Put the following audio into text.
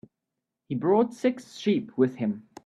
He brought six sheep with him.